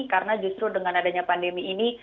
karena justru dengan adanya pandemi ini